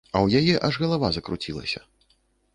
У яе аж галава закруцілася.